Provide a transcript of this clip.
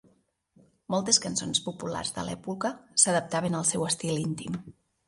Moltes cançons populars de l'època s'adaptaven al seu estil íntim.